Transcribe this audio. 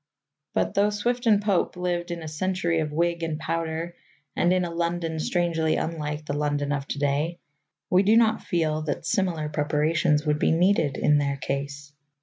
But though Swift and Pope lived in a century of wig and powder and in a London strangely unlike the London of to day, we do not feel that similar preparations would be needed in their case.